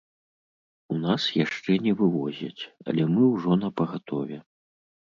У нас яшчэ не вывозяць, але мы ўжо напагатове.